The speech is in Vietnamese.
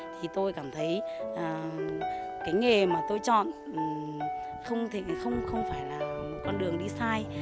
thì tôi cảm thấy cái nghề mà tôi chọn không phải là con đường đi sai